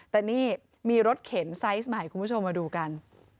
แต่นี่มีรถเข็นไซส์ใหม่คุณผู้ชมมาดูกัน